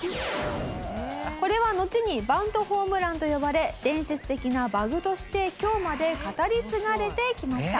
これはのちに「バントホームラン」と呼ばれ伝説的なバグとして今日まで語り継がれてきました。